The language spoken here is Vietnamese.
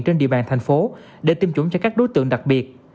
trên địa bàn thành phố để tiêm chủng cho các đối tượng đặc biệt